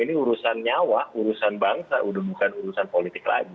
ini urusan nyawa urusan bangsa udah bukan urusan politik lagi